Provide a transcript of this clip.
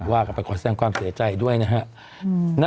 ว่ากันไปขอแสดงความเสียใจด้วยนะฮะ